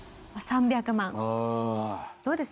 どうです？